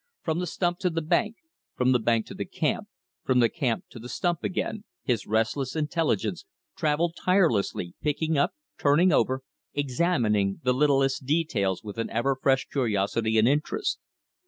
From the stump to the bank, from the bank to the camp, from the camp to the stump again, his restless intelligence travelled tirelessly, picking up, turning over, examining the littlest details with an ever fresh curiosity and interest.